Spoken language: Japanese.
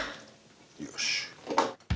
よし。